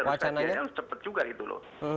kalau mau cepat pemerintah ya harus cepat juga gitu loh